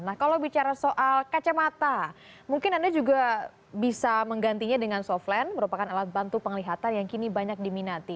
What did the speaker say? nah kalau bicara soal kacamata mungkin anda juga bisa menggantinya dengan soft len merupakan alat bantu penglihatan yang kini banyak diminati